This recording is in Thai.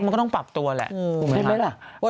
มันก็ต้องปรับตัวแหละ